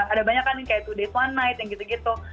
ada banyak kan yang kayak today's one night yang gitu gitu